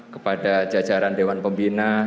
kepada jajaran dewan pembina